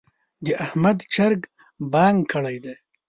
د احمد چرګ بانګ کړی دی.